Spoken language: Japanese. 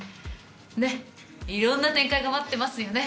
ねっいろんな展開が待ってますよね。